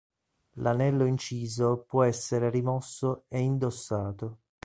L’anello inciso può essere rimosso e indossato.